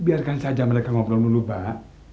biarkan saja mereka ngobrol dulu pak